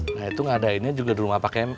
nah itu ngadainya juga di rumah pak km